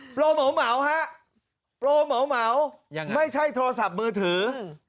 โปรเหมาฮะโปรเหมาไม่ใช่โทรศัพท์มือถือ